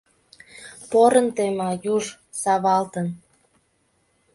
Порын тема юж, савалтын.